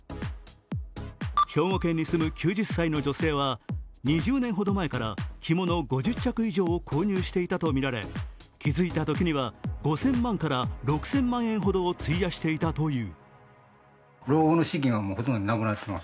兵庫県に住む９０歳の女性は、２０年ほど前から着物５０着以上を購入していたとみられ気づいたときには５０００万円から６０００万円ほどを費やしていたという。